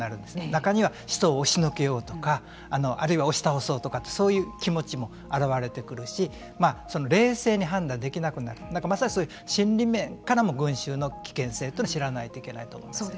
中には人を押しのけようとかあるいは押し倒そうとかってそういう気持ちも表れてくるし冷静に判断できなくなるだからまさに心理面からも群衆の危険性というのは知らないといけないと思います。